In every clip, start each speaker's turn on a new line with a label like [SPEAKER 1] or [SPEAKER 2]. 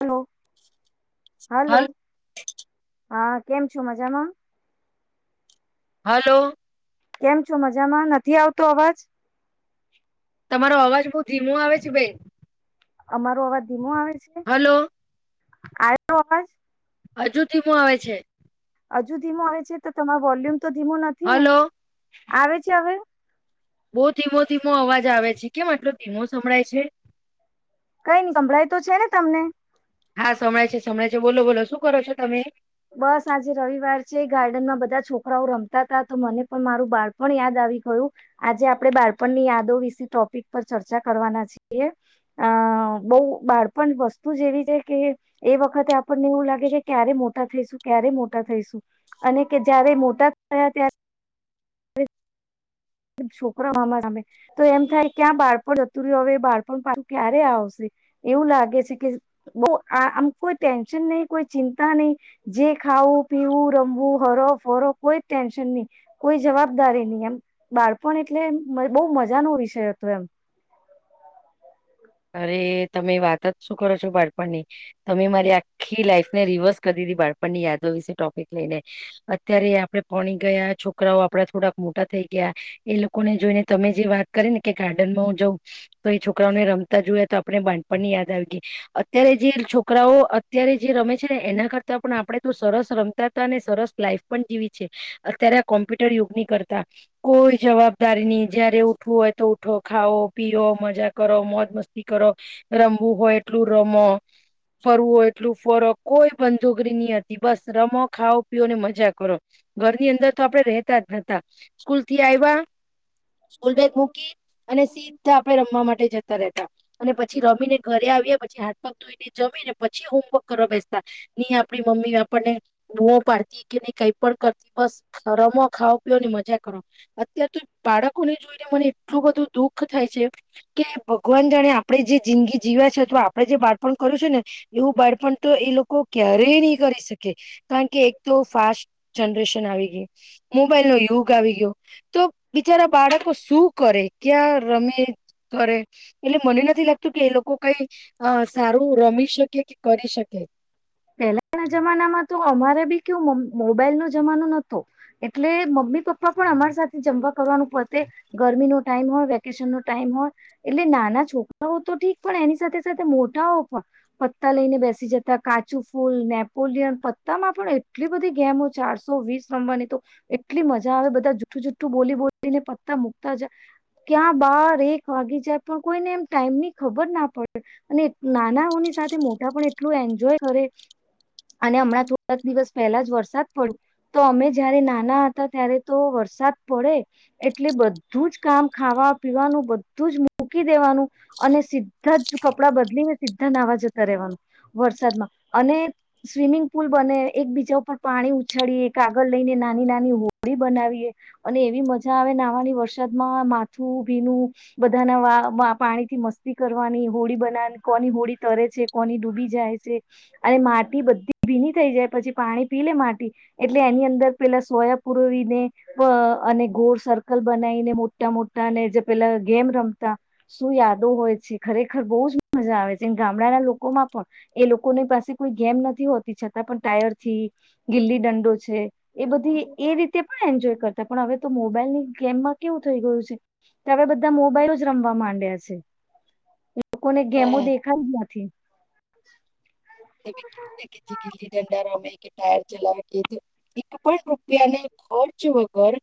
[SPEAKER 1] Hello hello
[SPEAKER 2] hello
[SPEAKER 1] હા કેમ છો મજામાં.
[SPEAKER 2] હલો
[SPEAKER 1] કેમ છો મજામાં નથી આવતો અવાજ
[SPEAKER 2] તમારો અવાજ બહુ ધીમો આવે છે [unintelligible]
[SPEAKER 1] અમારો આવાજ ધીમો આવે છે.
[SPEAKER 2] હલો
[SPEAKER 1] આયો આવાજ-
[SPEAKER 2] હજુ ધીમો આવે છે.
[SPEAKER 1] હજુ ધીમો આવે છે તો તમારે વોલ્યુમ તો ધીમો નથી ને આવે છે હવે.
[SPEAKER 2] બઉ ધીમો ધીમો અવાજ આવે છે કેમ આટલો ધીમો સંભળાય છે,
[SPEAKER 1] કઈ ન કભળાય તો છે ને તમને?
[SPEAKER 2] હા સંભળાય છે સમભળે છે બોલો બોલો શું કરો છો તમે?
[SPEAKER 1] બસ છરાઓ રમતા હતા તો મને પણ મારું બાળપણ યાદ આવી ગયું આજે આપણે બાળપણની યાદો વિશે ટોપિક પર ચર્ચા કરવાના છીએ અ બઉ બાળપણ વસ્તુ જે એવી છે, કે એ વખતે આપણને એવું લાગે કે ક્યારે મોટા થઈશું ક્યારે મોટા થઈશું, અને કે જય્યારે મોટા થયા ત્યારે છોકરા મામા સામે તો એમ થાય ક્યાં બાળપણતું રહ્યું હવે બાળપણ પાછું ક્યારે આવશે, એવું લાગે છે કે બહ આ આમ કોઈ ટેન્શન નહી કોઈ ચિંતા નહી, જે ખાવું પીવું રમવું હરો ફરો કોઈ ટેન્શન નહી કોઈ જવાબદારી નહી એમ બાળપણ એટલે બહુ મજાનો વિષય હતો, એમ
[SPEAKER 2] અરે તમે વાત જ શું કરો છો બાળપણની તમે મારી આખી લાઈફને રિવર્સ કરી દીધી, બાળપણની યાદો વિશે ટોપિક લઈને અત્યારે આપણે પોણી ગયા છોકરાઓ આપડા થોડાક મોટા થઈ ગયા, એ લોકોને જોઈને તમે જે વાત કરી ને કે ગાર્ડનમાં હું જાઉં તો એ છોકરાઓને રમ જોએ તો આપણે બાંધપણની યાદ આવી ગઈ અત્યારે જે છોકરાઓ અત્યારે જે રમે છે ને એના કરતા પણ આપણે તો સરસ રમતા હતા અનેને સરસ લાઈફ પણ જીવી છે, અત્યારે આ કોમ્પ્યુટર યુગની કરતા કોઈ જવાબદારી નની જયારે ઉઠવું હોય તો ઉઠો ખાઓ પીઓ મજા કરો, મોજ મસ્ત કરો રમવું હોય એટલું રમો ફરવું હોય એટલું ફરો કોઈ બંદુગરી નહી હતી, બસ રમો ખાઓ પીઓ ને મજા કરો ઘરની અંદર તો આપડે રેતા જ નતા સ્કૂલ થી આવ્યા સ્કૂલ બેગ મૂકી અને સીધ આપે રમવા માટે જત રહે અને પછી રમીને ઘરે આવએ પછી હાથ પગ ધોઈને જમીને પછી હોમવર્ક કરવા બેસતા નહી, આપણી મમ્મી આપણને બૂઓ પાડતી કે નઈ કઈ પણ કરતી બસ રમો ખાાવ પીઓ મજા કરો, અત્યાર તો બાળકોને જોઈને મને એટલું બધું દુઃખ થાય છે કે ભગવાન જાણે આપણે જે જિંદગી જીવ્યા છેથ આપડણે જે બાળપણ કર્યું છે, ને એવું બાળપણ તો એ લોકો ક્યારેય નહી કરી શકે કારણ કે એક તો ફાસ્ટ જનરેશન આવી ગય મોબાઈલ નો યુગ આવી ગયો તો બિચારા બાળકો શું કરે ક્યાં રમે કરે? એટલે મને નથી લાગતું કે એ લોકો કઈ સારું રમી શકે કે કરી શકે
[SPEAKER 1] પહેલા ના જમાનામાં તો અમારે બી કેવું મોબાઈલ નો જમાનો નતો એટલે મમ્મી પપ્પા પણ અમારા સાથે જમવા કરવાનું પડતે ગરમીનોો ટાઈમ હોય વેકેશન નો ટાઈમ હોય એટલે નાના છોકરાઓ તો ઠીક પણ એની સાથે સાથે મોટાઓ પણ પત્તા લઈને બેસી, જતા કાચું ફૂલ નેપોલિયન પત્તામાં પણ એટલી બધી ગેમો ચારસો વીસ રમવાની તો એટલી મજા આવે, બધા જુઠ્ઠું જુઠ્ઠું બોલી બોલીને પત્તા મૂકતા જાય ક્યાં બાર એક વાગી જાય પણ કોઈને એમ ટાઈમ ની ખબર ના પડે અને નાનાઓની સાથે મોટા પણ એટલું એન્જોય અને હમણાં થોડાક દિવસ પહેલા જ વરસાદ પડ્યો તો અમે જારે નાના હતા ત્યારે તો વરસાદ પડે એટલે બધું જ કામ ખાવા પીવાનું બધું જ મૂકી દેવાનું અને સીધા જ કપડાં બદલીને સીધા નવા જતા રહેવાનું, વરસાદમાં અને સ્વિમિંગ પુલ બને એક બીજા ઉપર પાણી ઉછાળએ કાગળ લઈને નાની નાની હોળી બનાવીએ, અને એવી મજા આવે નાવાની વરસાદમાં માથું ભીનું બધાના પાણી થી મસ્તી કરવાની હોળી બનાવવાની કોની હોળી તરે છે કોની ડૂબી જાય છે, અને માટી બધી ભીની થઈ જાય પછી પાણી પી લે માટી એટલે એની અંદર પેલા સોયા પુરોવીને અને ઘોર સર્કલ બનાવીને મોટા મોટા ને જે પેલા ગેમ રમતા શું યાદો હોય છે, ખરેખર બહુ જ મજા આવે છે ગામડાના લોકોમાં પણ એ લોકો કોની પાસે કોઈ ગેમ નથી હોતી છતાં પણ ટાયર થી ગીલી દંડો છે, એ બધી એ રીતે પણ એન્જોય કરતા પણ હવે તો મોબાઈલ ની ગેમમાં કેવું થઈ ગયું છે, કે હવે બધા મોબાઈલો જ રમવા માંડ્યા છે. લોકોને ગેમું દેખાય જ નથી, [unintelligible]
[SPEAKER 2] ત ગીલી [inaudible] ડારમે કે ટાયર ચલા ગ એક પણ રૂપિયાને ઘર છ હ ઘર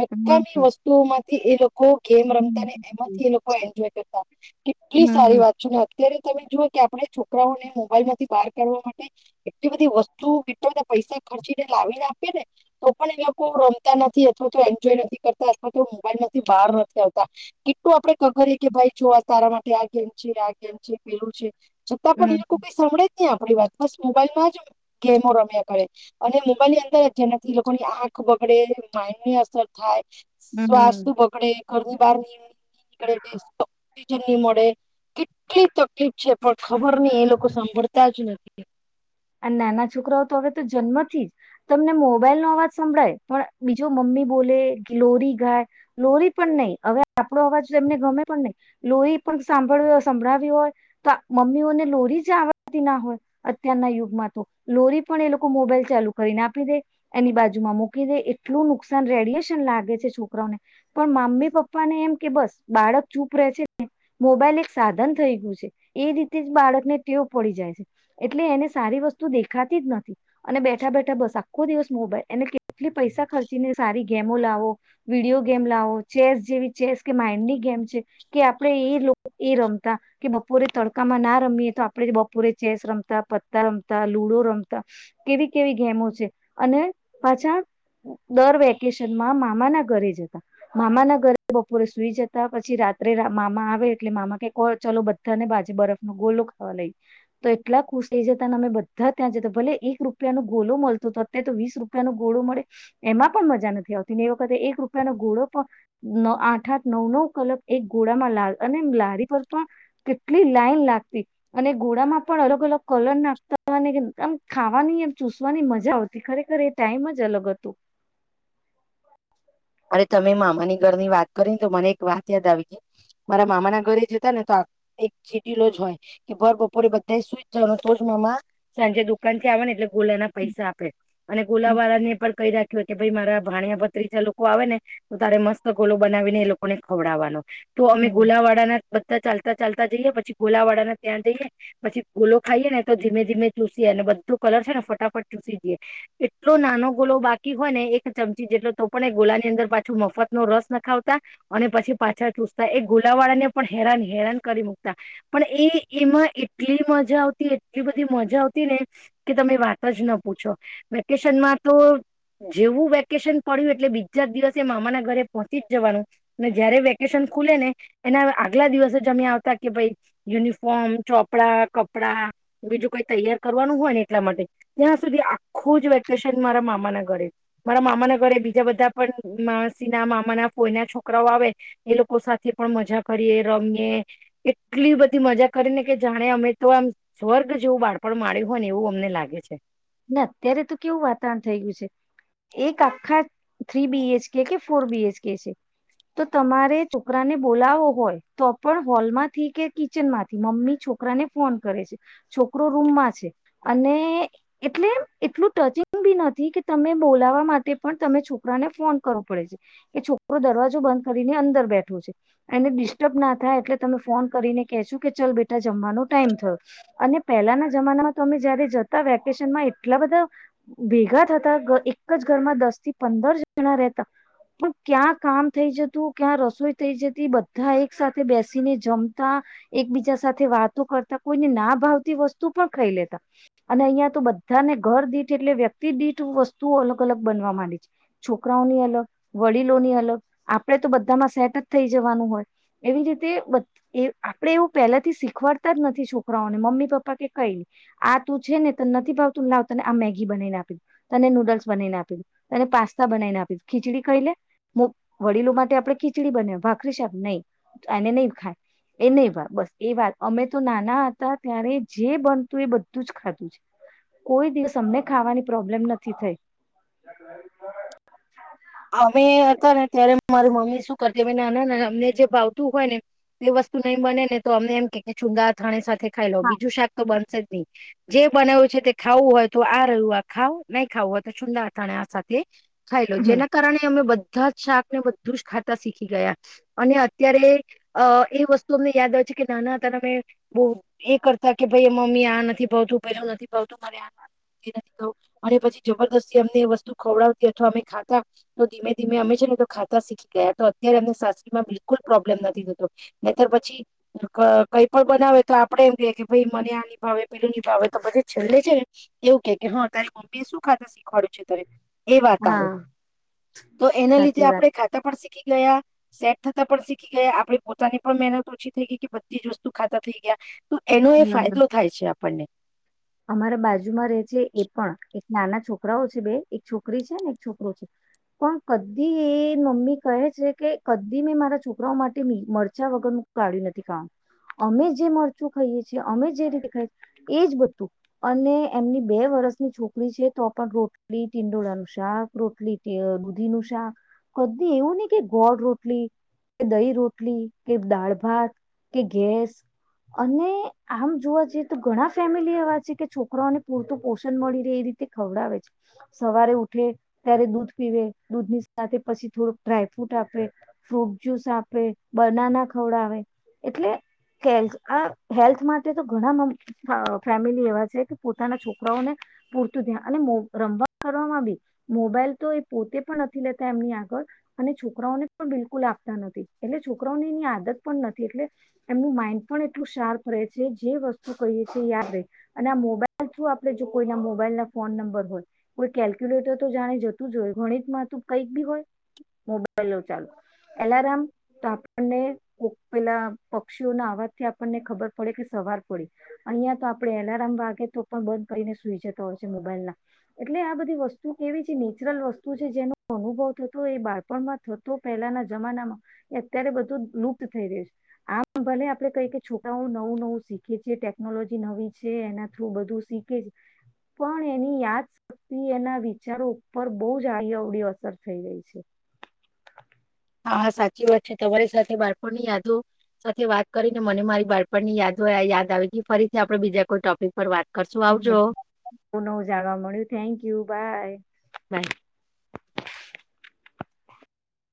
[SPEAKER 2] મુક્કમી
[SPEAKER 1] હમ
[SPEAKER 2] વસ્તુમાં એ લોકો લોકો ગેમ રમતાને
[SPEAKER 1] હમ
[SPEAKER 2] એમાંથી એ લોકો એન્જોય કરતા કેટલી સારી
[SPEAKER 1] હમ
[SPEAKER 2] વાત અત્યારે તમે જુઓ કે આપણે છોકરાઓને મોબાઈલમાંથી બાર કરવા માટે એટલી બધી વસ્તુ કેટલા બધા પૈસા ખર્ચીને લાવીને આપીએ, ને તો પણ એ લોકો રમતા નથી અથવા તો એન્જોય નથી કરતા અથવા તો મોબાઈલ માંથી બહાર નથી, આવતા કેટલું આપડે ખબર કે ભાઈ જો તારા માટે આ ગેમ છે આ ગેમ છે પેલું છે. છતાં પણ એ
[SPEAKER 1] હમ
[SPEAKER 2] લોકો કઈ સાભળે નહી આપડી વાત બસ મોબાઈલ માં જ ગેમો રમ્યા કરે, અને મોબાઈલ ની અંદર જેનાથી લોકોની આંખ બગડે માઈન્ડ ની અસર થાય શ્વાસ
[SPEAKER 1] હમ
[SPEAKER 2] બગડે ઘરની બહાર ની નીકળે, ઓજન ની મળે કેટલી તકલીફ છે, પણ ખબર નહ એ લોકો સાંભળતા ત જ નથી
[SPEAKER 1] નાના છોકરાઓ તો હવે તો જન્મથી જ તમને મોબાઈલ નો અવાજ સંભળાય પણ બીજો મમ્મી બોલે લોરી ગાય લોરી પણ નહી, હવે આપણો અવાજ એમને ગમે પણ નહી લોરી પણ સાંભળ સંભળાવી હોય તો મમ્મીઓને લોરી જ આવડતી ના હોય, અત્યારના યુગ લોરી પણ એ લોકો મોબાઈલ ચાલુ કરીને આપી દે એની બાજુમાં મૂકી દે એટલું નુકસાન રેડિયેશન લાગે છે, છોકરાઓને પણ મમ્મી પપ્પાને એમ કે બસ બાળક ચૂપ રહે છે, મોબાઈલ એક સાધન થઈ ગયું છે એ રીતે જ બાળકને ટેવ પડી જાય છે, એટલે એને સારી વસ્તુ દેખાતી જ નથી અને બેઠા બેઠા બસ આખો દિવસ મોબાઈલ એને કેટલી પૈસા ખર્ચીને સારી ગેમો લાવો વિડીિયો ગેમ લાવો ચેસ જેવી ચેસ કે માઈન્ડની ગેમ છે, કે આપણેે એ એ રમતા કે બપોરે તડકામાં ના રમીએ તો આપણે બપોરે ચેસ રમતા રમતા લુડો રમતા કેવી કેવી ગેમો છે અને પાછા દર વેકેશનમાં મામા ના ઘરે જતા મામાના ઘરે બપોરે સુઈ જતા પછી રાત્રે મામા આવે એટલે મામા કે ચાલો બધાને બાજે બરફ નો ગોલો ખાવા લઈ તો એટલા ખુશ. એ જતા ને અમે બધા ત્યાં જતા ભલે એક રૂપિયાનો ગોલોો મળતો તો અત્યારે તો વીસ રૂપિયાનોો ગોડો મળે એમાં પણ મજા નથી આવતી ને એ વખતે એક રૂપિયાનોો ગોળો પણ આઠ આઠ નવ નવ કલક એક ઘોડામાં લ અને લારી પર પણ કેટલી લાઈન લાગતી અને ઘોડામાં પણ અલગ અલગ. કલર નાખતાની આમ ખાવાની એમ ચૂસવાની મજા આવતી ખરેખર એ ટાઈમ જ અલગ હતો.
[SPEAKER 2] અરે તમે મામાની ઘર ની વાત કરીને તો મને એક વાત યાદ આવી ગઈ મારા મામાના ઘરે જતા ને તો એક ચીટીલો જ હોય કે ભર બપોરે બધાએ સુઈ જ જવાનું તોજ મામા સાંજે દુકાન થી આવે ને એટલે ગોલાના પૈસા આપે. અને ગુલાવાળા ને પણ ક રાખ્યો. કે ભાઈ મારા ભાણયા ભત્રી ચ લોકો. આવે ને તો તારે મસ્ત ગોલો બનાવીને એ લોકોને ખવડાવવાનો. તો અમે
[SPEAKER 1] હમ
[SPEAKER 2] ગોલાવાડા ના બધા ચાલતા. ચાલતા જઈએ પછી ગોલા વાળાને ત્યાં જઈએ પછી ગોલો ખાઈએ ને તો ધીમે ધીમે ચૂસીએ અને બધો કલર છે ને ફટાફટ ચૂસી જઈએ એટલો નાનો ગોલો બાકી હોય ને એક ચમચી જેટલો. પણ એ ગોલાની અંદર પાછો મફત નો રસ ના ખાવતા અને પછી પાછળ ટૂસતા એ ગોલા વાળા ને પણ હેરાન હેરાન કરી મૂકતા પણ એ એમાં એટલી મજા આવતી એટલી બધી મજા આવતી ને કે તમે વાત જ ના પૂછો વેકેશનમાં તો જેવું વેકેશન પડ્યું. એટલે બીજા દિવસે મામાના ઘરે પહોંચી જ જવાનું ને જયારે વેકેશન ખુલે ને એના આગલા દિવસે જ અમે આવતા કે ભાઈ યુનિફોર્મ ચોપડા કપડાં બીજું કોઈ તૈયાર કરવાનું હોય ને એટલા માટે ત્યાં સુધી આખું જ વેકેશન મારા મામાના ઘરે મારા મામાના ઘરે. બ બધા પણ માણસી ના મામા ના કોયના છોકરાઓ આવે એ લોકો સાથે પણ મજા કરીએ રમીએ એટલી બધી મજા કરીને કે જાણે અમે તો આમ સ્વર્ગ જેવું બાળપણ માળ્યું હોય ને એવું અમને લાગે છે.
[SPEAKER 1] ના અત્યારે તો કેવું વાતાવરણ થય ગયું છે એક આખા થ્રી બીએચકે કે ફોર બીએચકે છે તો તમારે છોકરાને બોલાવો હોય તો પણ હોલમાંથી કે કિચન માંથી મમ્મી છોકરાને ફોન કરે છે છોકરો રૂમમાં છે અને. એટલે એટલું ટચિંગ બી નથી કે તમે બોલાવા માટે પણ તમે છોકરાને ફોન કરવો પડે છે કે છોકરો દરવાજો બંધ કરીને અંદર બેઠો છે એને ડિસ્ટર્બ ના થાય એટલે તમે ફોન કરીને કેહ છો કે ચલ બેટા જમવાનો ટાઈમ થયો અને પહેલાના જમાનામાં તમે જયારે જતા વ્ય. એટલા બધા ભેગા થતા એક જ ઘરમાં દસ થી પંદર જણા રહેતા પણ ક્યાં કામ થઈ જતું ક્યાં રસોઈ થઈ જતી બધા એક સાથે બેસીને જમતા એકબીજા સાથે વાતો કરતા કોઈને ના ભાવતી વસ્તુ પણ ખાઈ લેતા અને અહીં. બધાને ઘર દીઠ એટલે વ્યક્તિ દીઠ વસ્તુઓ અલગ અલગ બનવા માંડી છે છોકરાઓની અલગ વડીલોની અલગ આપણે તો બધામાં સેટ જ થઈ જવાનું હોય એવી રીતે આપણેે એવું પહેલાથી શીખવાડતા જ નથી છોકરાઓને મમ્મી પપ્પા કે કઈ આ તું છે ને. નથી ભાવતું ના તને આ મેગી બનાવીને આપી દ તને નૂડલ્સ બનાવીને આપી દું તને પાસ્તા બનાવીને આપી ખીચડી કહી લે વડીલો માટે આપણે ખીચડી બનાવી ભાખરી સાબ નહીં એને નહી ખાય એ નહી ભાવ બસ એ વાત અમે તો નાના હતા ત્યારે જે બનતું એ બધું જ ખાધું છે. કોઈ દિવસ અમને ખાવાની પ્રોબ્લેમ નથી થઈ.
[SPEAKER 2] અમે હતા ને ત્યારે. મારી મમ્મી શું કરતીાઈ ના ના ના અમને જે ભાવતું હોય ને. એ વસ્તુ નઈ બને ને તો અમનેમ કે. ચુંગા થાણે. ખાઈ લો બીજું શાક તો બનશે જ નહી. જે બનાવ્યું છે તે ખાવું હોય તો આ રહ્યું આ ખાવ નહી ખાવું હોય તો સુંદરથાણે આ સાથે. ખાઈ લો
[SPEAKER 1] હમ
[SPEAKER 2] જેને. અમે બધા જ શાક ને બધું જ ખાતા શીખી ગયા અને અત્યારે અ એ વસ્તુ અમને યાદ આવે છે કે નાના હતા અમે બહ એ કરતા કે ભાઈ મમ્મી આ નથી ભાવતું પેલું નથી ભાવતું મારે આ નથી ભતું એ નથી અને પછી જબરદસ્તી અમને એ વસ્તુ ખવડાવતી અથવા અમે ખાતા. તો ધીમે ધીમે અમે છે ને તો ખાતા શીખી ગયા તો અત્યારે એમને સાસ્રીમાં બિલકુલ પ્રોબ્લેમ નથી થતો ને ત્યારે પછી કઈ પણ બનાવે તો આપડે એમ કે કે ભાઈ મને આ ની ભાવે પેલું ની ભાવે તો બધે છેલ્લે છે ને એવું કે હા તારી મમ્મી એ શું ખાતા શીખવાડ્યું છે તારે એ વાત આવો.
[SPEAKER 1] હા
[SPEAKER 2] તો એના લીધે
[SPEAKER 1] સાચી વાત
[SPEAKER 2] આપડે ખાતા પડતા. શીખી ગયા સેટ થતા પણ શીખી ગયા આપડી પોતાની પણ મહેનત ઓછી થઈ ગઈ કે બધી જ વસ્તુ ખાતા થઈ ગયા. તો એનો એ
[SPEAKER 1] હમ
[SPEAKER 2] ફાયદો થાય છે આપ. પંને.
[SPEAKER 1] અમારા બાજુમાં રહે છે એ પણ એક નાના છોકરાઓ છે બે એક છોકરી છે ને એક છોકરો છે પણ કદી એ મમ્મી કહે છે કે કદી મેં મારા છોકરાઓ માટે મરચાં વગર કાઢ્યું નથી કાનું અમે જે મરચું ખાઈએ છીએ અમે જે રીતે ખાઈએીએ એજ બધું. અને એમની બે વર્ષની છોકરી છે તો પણ રોટલી ટિંડોળનું શાક રોટલી દૂધી નું શાક બી એવું નહી કે ગોળ રોટલી કે દહી રોટલી કે દાળ ભાત કે ગેસ અને આમ જોવા જઈએ તો ઘણા ફેમિલી. કે છોકરાઓને પૂરતું પોષણ મળી રહે એ રીતે ખવડાવે છે સવારે ઉઠે ત્યારે દૂધ પીવે દૂધ ની સાથે પછી થોડુંક ડ્રાયફ્રૂટ આપે ફ્રૂટ જ્યુસ આપે બનાના ખવડાવે એટલે કે આ હેલ્થ માટે તો ઘણા. ફેમિલી એવા છે કે પોતાના છોકરાઓને પૂરતું ધ્યાન અને રમવાવામાં બી મોબાઈલ તો એ પોતે પણ નથી લેતા એમની આગળ અને છોકરાઓને પણ બિલકુલ આપતા નથી એટલે છોકરાઓને એની આદત પણ નથી એટલે એમનું માઈન્ડ પણ એટલું શાર્પ રહે છે જે વસ્તુ કહીએ છીએ યાદ. આપ જો કોઈના મોબાઈલ ના ફોન નંબર હોય કોઈ કેલ્ક્યુલેટર તો જાણે જતું જ હોય ગણિતતું કઈક બી હોય મોબાઈલો ચાલુ એલારમ તો આપણને કો પેલા પક્ષીઓ ના અવાજથી આપણને ખબર પડે કે સવાર પડે અહં તો. આપણે એલાર્મ વાગે તો પણ બંધ કરીને સુઈ જતા હોય છે મોબાઈલના એટલે આ બધી વસ્તુ કેવી છે નેચરલ વસ્તુ છે જેનો અનુભવ થતો એ બાળપણમાં થતો પહેલાના જમાનામાં એ અત્યારે બધું લુપ્ત થઈ રહ્યું છે આમ ભલે આપણે કઈ કે છોટાઓ નવું નવું શીખીએ છીએ ટેકનોલોજી નવી. છે એના થ્રુ બધું શીખે છે પણ એની યાદ શક્તિ એના વિચારો ઉપર બહ જ આ અવડીી અસર થઈ રહી છે.
[SPEAKER 2] હા હા સાચી વાત છે તમારી સાથે બાળપણની યાદો સાથે વાત કરીને મને મારી બાળપણ ની યાદો યાદ આવી ગઈ ફરીથી આપડે બીજા કોઈ ટોપિક પર વાત. કરશું
[SPEAKER 1] બ
[SPEAKER 2] આવજો
[SPEAKER 1] નવું જાણવા મળ્યું થેન્કયુ બાય
[SPEAKER 2] બાય